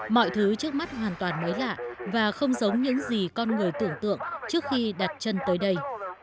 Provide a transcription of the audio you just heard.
mọi thứ trước mắt hoàn toàn mới lạ và không giống những gì con người tưởng tượng trước khi đặt chân tới đây